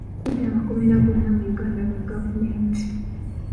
Kumpi amakomera gonna mu Uganda ga gavumenti.